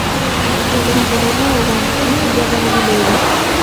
తెలుగుదనమువంటి తీయందనము లేదు